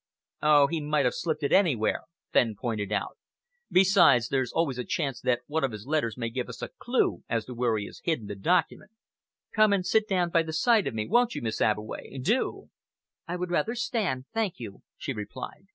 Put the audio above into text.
"Oh, he might have slipped it in anywhere," Fenn pointed out. "Besides, there's always a chance that one of his letters may give us a clue as to where he has hidden the document. Come and sit down by the side of me, won't you, Miss Abbeway? Do!" "I would rather stand, thank you," she replied.